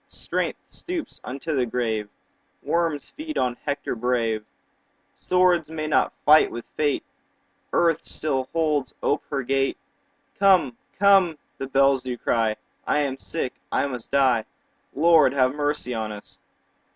Strength stoops unto the grave, Worms feed on Hector brave; Swords may not fight with fate; Earth still holds ope her gate; 25 Come, come! the bells do cry; I am sick, I must die— Lord, have mercy on us!